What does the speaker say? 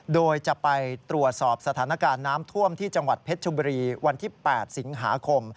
โดยจะไปตรวจสอบสถานการณ์น้ำท่วมที่จังหวัดเพชรชบุรีวันที่๘สิงหาคม